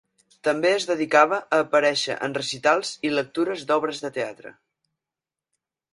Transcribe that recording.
També es dedicava a aparèixer en recitals i lectures d'obres de teatre.